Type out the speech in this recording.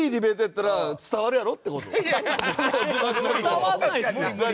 伝わらないですよ。